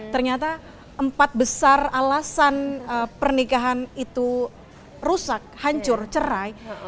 ternyata empat besar alasan pernikahan itu rusak hancur cerai